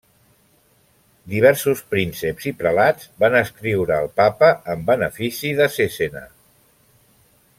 Diversos prínceps i prelats van escriure al Papa en benefici de Cesena.